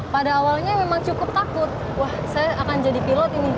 pada awalnya memang cukup takut wah saya akan jadi pilot ini bu